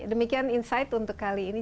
demikian insight untuk kali ini